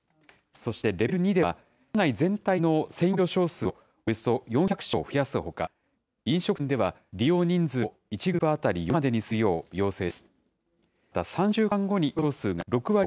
そしてレベル２では、県内全体の専用病床数をおよそ４００床増やすほか、飲食店では利用人数を１グループ当たり４人までにするよう要請します。